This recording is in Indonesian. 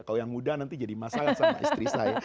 kalau yang muda nanti jadi masalah sama istri saya